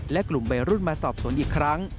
และกลุ่มวัยรุ่นมาสอบสวนอีกครั้ง